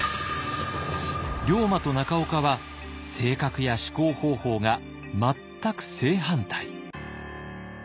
龍馬と中岡は性格や思考方法が全く正反対。